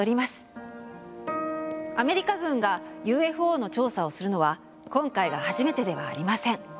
アメリカ軍がＵＦＯの調査をするのは今回が初めてではありません。